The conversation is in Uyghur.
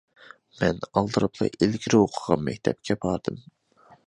مەن ئالدىراپلا ئىلگىرى ئوقۇغان مەكتەپكە باردىم.